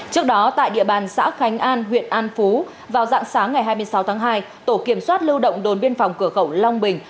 trước đó tại địa bàn xã khánh an huyện an phú vào dạng sáng ngày hai mươi sáu tháng hai tổ kiểm soát lưu động đồn biên phòng cửa khẩu long bình